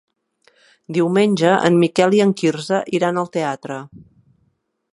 Diumenge en Miquel i en Quirze iran al teatre.